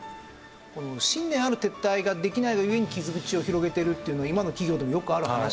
この信念ある撤退ができないがゆえに傷口を広げてるっていうのは今の企業でもよくある話ですから。